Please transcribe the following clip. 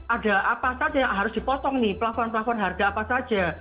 ada apa saja yang harus dipotong nih platform platform harga apa saja